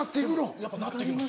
やっぱなって行きます